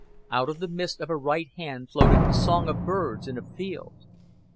Out of the mist on her right hand floated the song of birds in a field.